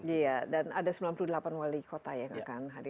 iya dan ada sembilan puluh delapan wali kota yang akan hadir